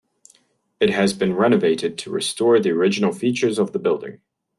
It has been renovated to restore the original features of the building.